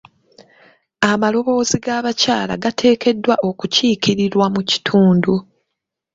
Amaloboozi g'abakyala gateekeddwa okukiikirirwa mu kitundu .